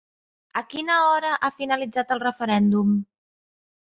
A quina hora ha finalitzat el referèndum?